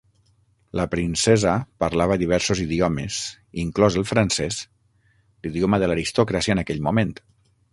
La princesa parlava diversos idiomes, inclòs el francès, l'idioma de l'aristocràcia en aquell moment.